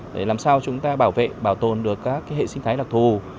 để làm sao chúng ta bảo vệ bảo tồn được các hệ sinh thái đặc thù